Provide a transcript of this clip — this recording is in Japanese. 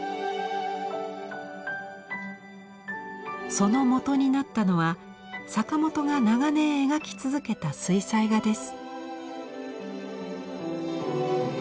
そのもとになったのは坂本が長年描き続けた水彩画です。